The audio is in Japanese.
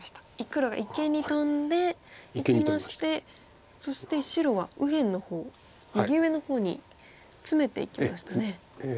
黒が一間にトンでいきましてそして白は右辺の方右上の方にツメていきましたね。